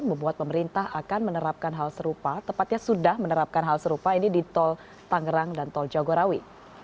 membuat pemerintah akan menerapkan hal serupa tepatnya sudah menerapkan hal serupa ini di tol tangerang dan tol jagorawi